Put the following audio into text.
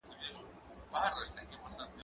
زه به مينه څرګنده کړې وي!.